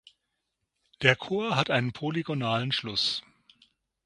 Der Chor hat einen polygonalen Schluss.